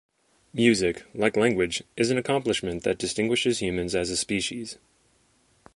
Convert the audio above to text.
Music, like language, is an accomplishment that distinguishes humans as a species.